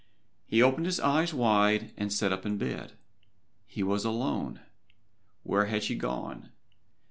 He opened his eyes wide and sat up in bed. He was alone where had she gone?